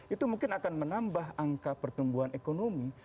itu mungkin akan menambah angka pertumbuhan ekonomi